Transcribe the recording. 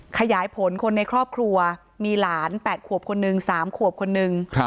ขยายผลคนในครอบครัวมีหลาน๘ขวบคนนึง๓ขวบคนนึง